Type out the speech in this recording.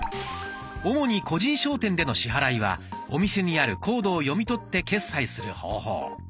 主に個人商店での支払いはお店にあるコードを読み取って決済する方法。